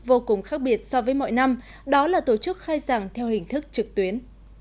vô cùng khác biệt so với mọi năm đó là tổ chức khai giảng theo hình thức trực tuyến